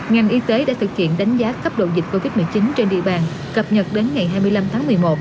ngành y tế đã thực hiện đánh giá cấp độ dịch covid một mươi chín trên địa bàn cập nhật đến ngày hai mươi năm tháng một mươi một